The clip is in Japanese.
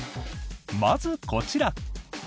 まず、こちら。